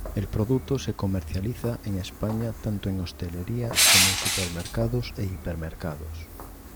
El producto se comercializa en España tanto en hostelería como en supermercados e hipermercados.